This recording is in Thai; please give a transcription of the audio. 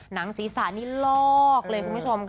หนังศีรษะนี่ลอกเลยคุณผู้ชมค่ะ